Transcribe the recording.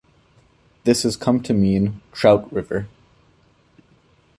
This has come to mean "trout river".